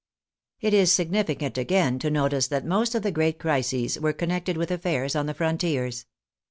It is significant, again, to notice that most of the great crises were connected with affairs on the frontiers.